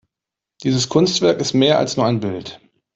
Dieses Kunstwerk ist mehr als nur ein Bild.